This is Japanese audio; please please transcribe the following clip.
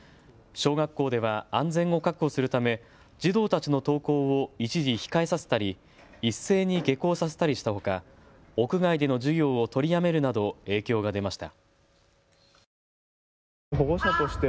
小学校では安全を確保するため児童たちの登校を一時、控えさせたり一斉に下校させたりしたほか屋外での授業を取りやめるなど影響が出ました。